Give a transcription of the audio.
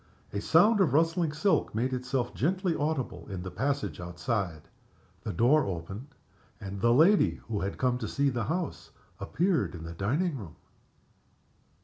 A sound of rustling silk made itself gently audible in the passage outside. The door opened, and the lady who had come to see the house appeared in the dining room.